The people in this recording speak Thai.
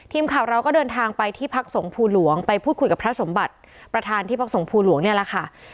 ทีมข่าวเราก็เดินทางไปที่พักสงภูหลวงไปพูดคุยกับพระสมบัติประธานที่พักสงภูหลวงเนี่ยแหละค่ะ